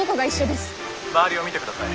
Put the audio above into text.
周りを見てください。